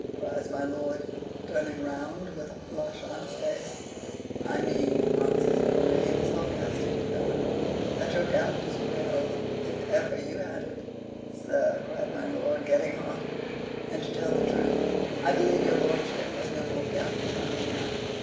cries my lord, turning round, with a flush on his face. "I mean," answers Harry, in a sarcastic tone, "that your gout is well if ever you had it." "Sir!" cried my lord, getting hot. "And to tell the truth I believe your lordship has no more gout than I have.